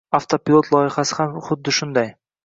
avtopilot loyihasi ham xuddi shunday